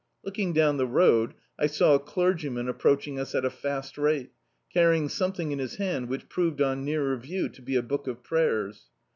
Looking down the road I saw a clergyman approaching us at a fast rate, carrymg something in his hand which proved on nearer view to be a book of prayers.